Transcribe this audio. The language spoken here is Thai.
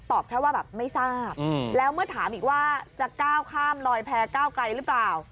แค่ว่าแบบไม่ทราบแล้วเมื่อถามอีกว่าจะก้าวข้ามลอยแพ้ก้าวไกลหรือเปล่า